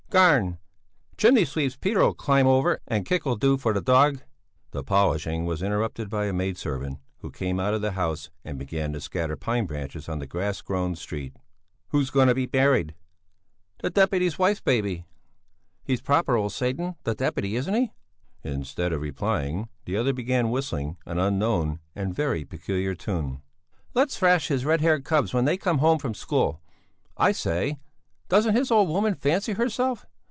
"Garn! Chimney sweep's Peter'll climb over and a kick'll do for the dog." The polishing was interrupted by a maid servant who came out of the house and began to scatter pine branches on the grass grown street. "Who's going to be buried?" "The deputy's wife's baby!" "He's a proper old Satan, the deputy, isn't he?" Instead of replying, the other began whistling an unknown and very peculiar tune. "Let's thrash his red haired cubs when they come home from school! I say! Doesn't his old woman fancy herself?